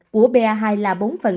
của ba hai là bốn